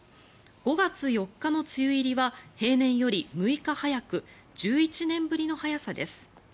５月４日の梅雨入りは平年より６日早く１１年ぶりの早さです。